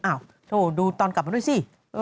อ่าวทุนดูกันไปด้วยสิ